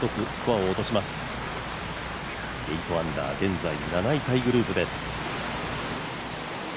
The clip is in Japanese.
８アンダー、現在７位タイグループです。